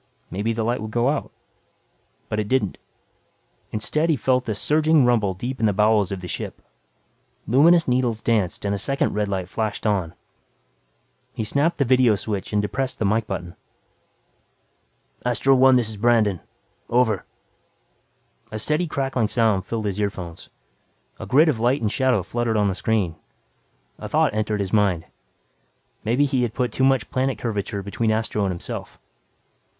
Maybe the light would go out. But it didn't. Instead he felt a surging rumble deep in the bowels of the ship. Luminous needles danced and a second red light flashed on. He snapped the vidio switch and depressed the mike button. "Astro One, this is Brandon. Over." A steady crackling sound filled his earphones; a grid of light and shadow fluttered on the screen. A thought entered his mind. Maybe he had put too much planet curvature between Astro and himself.